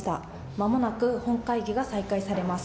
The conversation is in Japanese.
まもなく本会議が再開されます。